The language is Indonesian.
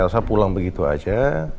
elsa pulang begitu aja